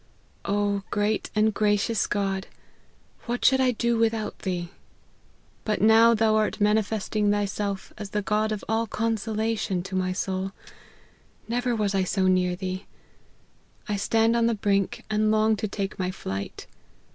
" O great and gracious God ! what should I do without Thee ! But now thou art manifesting thyself as the God of all consolation to my soul : never was I so near thee : I stand on the brink, and long to take my flight.